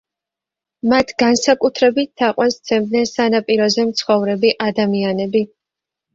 მათ განსაკუთრებით თაყვანს სცემდნენ სანაპიროზე მცხოვრები ადამიანები.